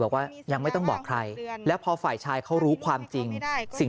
บอกว่ายังไม่ต้องบอกใครแล้วพอฝ่ายชายเขารู้ความจริงสิ่ง